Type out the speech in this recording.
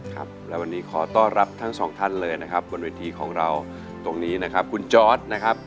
ครับและวันนี้ขอต้อนรับทั้งสองท่านเลยนะครับบนเวทีของเราตรงนี้นะครับคุณจอร์ดนะครับ